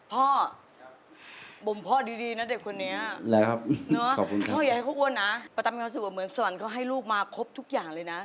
พ่อบ่มพ่อดีนะเด็กคนนี้พ่ออยากให้เขาอ้วนนะไปทำความสุขเหมือนสวรรค์เขาให้ลูกมาครบทุกอย่างเลยนะ